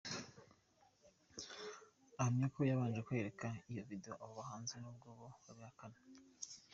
ahamya ko yabanje kwereka iyo video abo bahanzi n’ubwo bo babihakana.